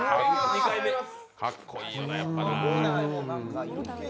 かっこいいよね、やっぱな。